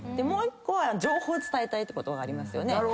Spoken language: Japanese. もう１個は情報を伝えたいってことがありますよね。